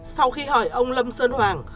sau khi hỏi ông lâm sơn hoàng